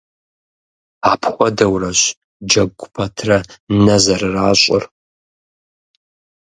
Апхуэдэурэщ джэгу пэтрэ нэ зэрыращӏыр.